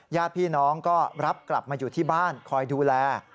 ญาติพี่น้องก็รับกลับมาอยู่ที่บ้านคอยดูแล